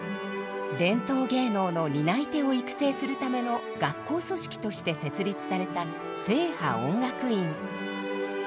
伝統芸能の担い手を育成するための学校組織として設立された正派音楽院。